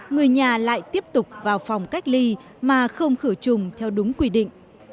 người nhà lại tiếp tục vào phòng cách ly mà không khử trùng theo đúng quy định